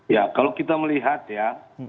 ya kalau kita melihat ya